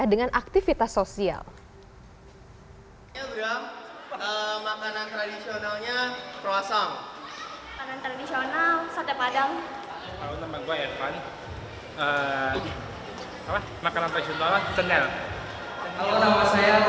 dengan aktivitas sosial makanan tradisionalnya perasaan tradisional sada padang makanan makanan